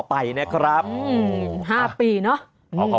เบิร์ตลมเสียโอ้โห